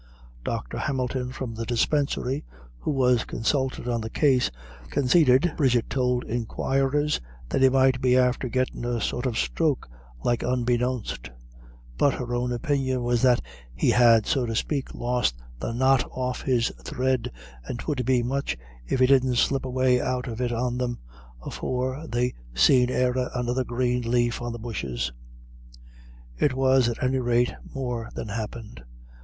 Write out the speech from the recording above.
Dr. Hamilton from the Dispensary, who was consulted on the case, "consaited," Bridget told inquirers, "that he might be after gettin' a sort of stroke like unbeknownst;" but her own opinion was that "he had, so to spake, lost the knot off his thread, and 'twould be much if he didn't slip away out of it on them, afore they seen e'er another green laif on the bushes." It was, at any rate, more than happened.